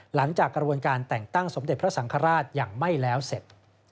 หลังจากกระบวนการแต่งตั้งสมเด็จพระสังฆราชอย่างไม่แล้วเสร็จ